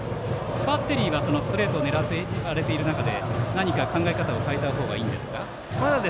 バッテリーはストレートを狙っていかれている中で何か考え方を変えたほうがいいでしょうか。